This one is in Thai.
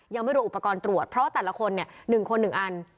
ยังไม่รวมอุปกรณ์ตรวจเพราะแต่ละคน๑คน๑อัน